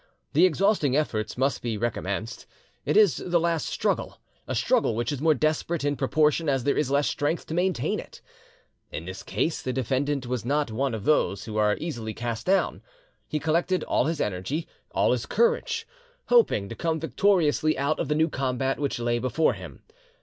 The exhausting efforts must be recommenced; it is the last struggle—a struggle which is more desperate in proportion as there is less strength to maintain it. In this case the defendant was not one of those who are easily cast down; he collected all his energy, all his courage, hoping to come victoriously out of the new combat which lay before him.